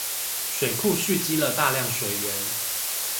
水庫蓄積了大量水源